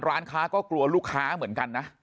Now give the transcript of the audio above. ร้านค้าก็กลัวลูกค้าเหมือนกันนะ